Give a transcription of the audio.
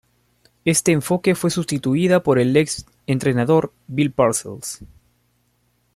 Este enfoque fue instituida por el ex entrenador Bill Parcells.